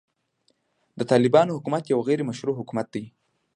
د طالبانو حکومت يو غيري مشروع حکومت دی.